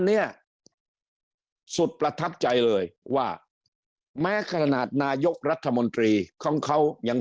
เนี่ยสุดประทับใจเลยว่าแม้ขนาดนายกรัฐมนตรีของเขายัง